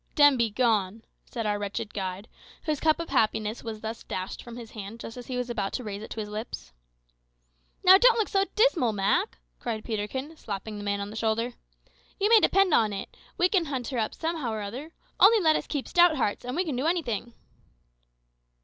"Dem be gone," said our wretched guide, whose cup of happiness was thus dashed from his hand just as he was about to raise it to his lips. "Now, don't look so dismal, Mak," cried Peterkin, slapping the man on the shoulder. "You may depend upon it, we will hunt her up somehow or other. Only let us keep stout hearts, and we can do anything."